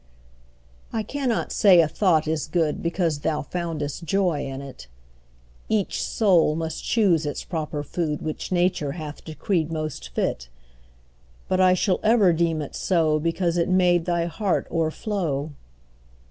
I cannot say a thought is good Because thou foundest joy in it; Each soul must choose its proper food Which Nature hath decreed most fit; But I shall ever deem it so Because it made thy heart o'erflow.